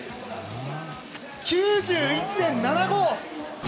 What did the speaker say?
９１．７５。